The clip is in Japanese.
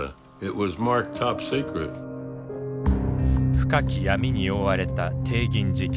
深き闇に覆われた帝銀事件。